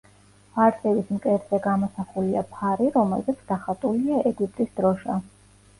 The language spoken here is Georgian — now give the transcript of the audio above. არწივის მკერდზე გამოსახულია ფარი, რომელზეც დახატულია ეგვიპტის დროშა.